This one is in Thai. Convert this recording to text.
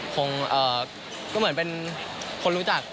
คงก็เหมือนเป็นคนรู้จัก